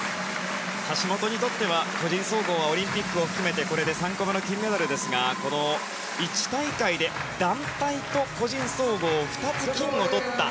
橋本にとっては個人総合はオリンピックを含めてこれで３個目の金メダルですが１大会で団体と個人総合２つ金をとった。